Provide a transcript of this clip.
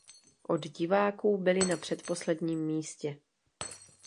Od diváků byli na předposledním místě.